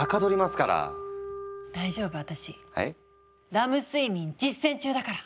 「ラム睡眠」実践中だから！